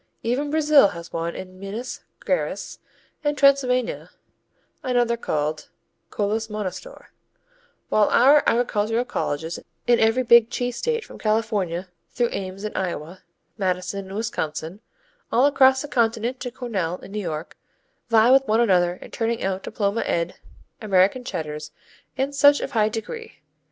Even Brazil has one in Minas Geraes and Transylvania another called Kolos Monostor, while our agricultural colleges in every big cheese state from California through Ames in Iowa, Madison in Wisconsin, all across the continent to Cornell in New York, vie with one another in turning out diploma ed American Cheddars and such of high degree.